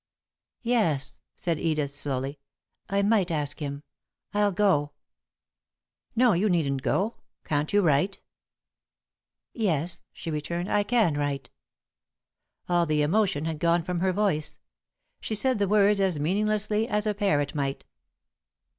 "Yes," said Edith, slowly. "I might ask him. I'll go " "No, you needn't go. Can't you write?" "Yes," she returned. "I can write." All the emotion had gone from her voice. She said the words as meaninglessly as a parrot might.